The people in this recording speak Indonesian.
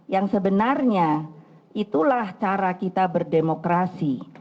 yang sebenarnya itulah cara kita berdemokrasi